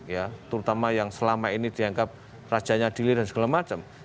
ya terutama yang selama ini dianggap rajanya delay dan segala macam